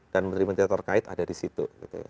dan menteri menteri terkait ada di situ